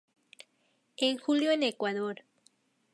En julio En Ecuador.